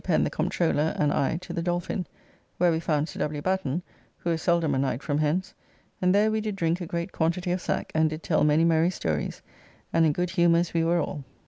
Pen, the Comptroller, and I to the Dolphin, where we found Sir W. Batten, who is seldom a night from hence, and there we did drink a great quantity of sack and did tell many merry stories, and in good humours we were all.